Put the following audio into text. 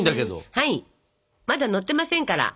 はいまだ載ってませんから。